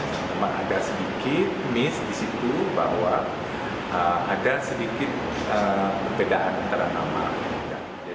cuma ada sedikit miss di situ bahwa ada sedikit perbedaan antara nama dan nama